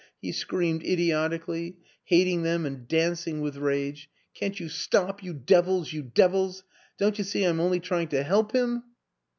he screamed idiotically, hating them and dancing with rage. " Can't you stop, you devils you devils? Don't you see I'm only trying to help him?"